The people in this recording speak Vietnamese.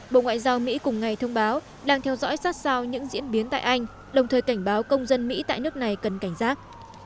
bộ ngoại giao mỹ cùng ngày thông báo đang theo dõi sát sao những diễn biến tại anh đồng thời cảnh báo công dân mỹ tại nước này cần cảnh giác